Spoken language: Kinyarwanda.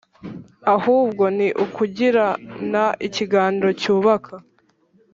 ahubwo ni ukugirana ikiganiro cyubaka